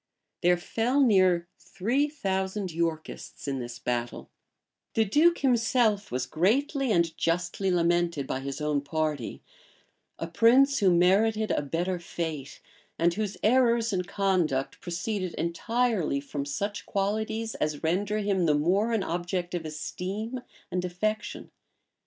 [*] There fell near three thousand Yorkists in this battle: the duke himself was greatly and justly lamented by his own party; a prince who merited a better fate, and whose errors in conduct proceeded entirely from such qualities as render him the more an object of esteem and affection.